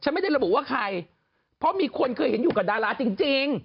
ไม่ได้ระบุว่าใครเพราะมีคนเคยเห็นอยู่กับดาราจริง